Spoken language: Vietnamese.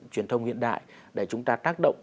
truyền thông hiện đại để chúng ta tác động